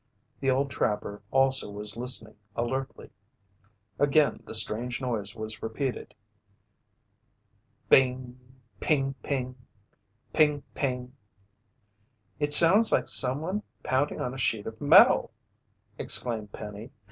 The old trapper also was listening alertly. Again the strange noise was repeated. Bing ping ping! Ping ping! "It sounds like someone pounding on a sheet of metal!" exclaimed Penny.